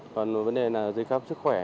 còn vấn đề là dây khắp sức khỏe